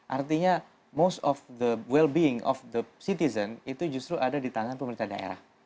artinya most of the well being of the citizen itu justru ada di tangan pemerintah daerah